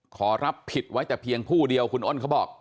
ขอรับผิดไว้แต่เพียงผู้เดียวคุณอ้นเขาบอก